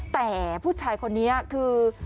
แต่ผู้ชายคนนี้คือ